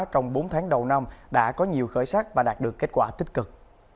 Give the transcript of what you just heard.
trong bốn tháng đầu năm đã có nhiều khởi sắc và đạt được kết quả tích cực